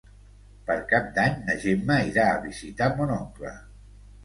Per Cap d'Any na Gemma irà a visitar mon oncle.